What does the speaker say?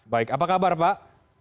baik apa kabar pak